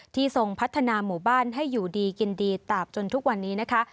ทรงพัฒนาหมู่บ้านให้อยู่ดีกินดีตาบจนทุกวันนี้นะคะ